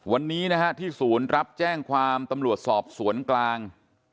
วันนี้นะฮะที่ศูนย์รับแจ้งความตำรวจสอบสวนกลาง